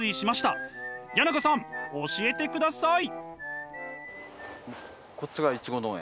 谷中さん教えてください！